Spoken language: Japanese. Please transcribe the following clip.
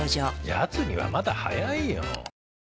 やつにはまだ早いよ。